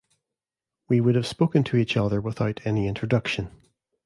We would have spoken to each other without any introduction.